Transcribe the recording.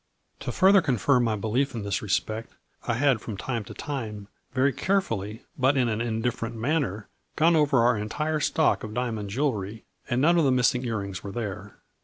To further confirm my belief in this respect, I had from time to time very carefully, but in an in different manner, gone over our entire stock of diamond jewelry, and none of the missing ear rings were there.